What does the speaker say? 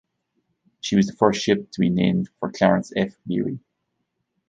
She was the first ship to be named for Clarence F. Leary.